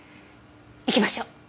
行きましょう。